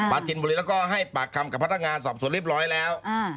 จินบุรีแล้วก็ให้ปากคำกับพนักงานสอบสวนเรียบร้อยแล้ว